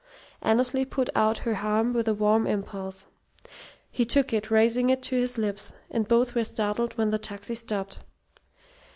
Annesley put out her hand with a warm impulse. He took it, raising it to his lips, and both were startled when the taxi stopped.